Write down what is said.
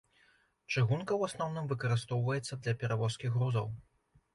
Чыгунка ў асноўным выкарыстоўваецца для перавозкі грузаў.